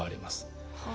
はあ。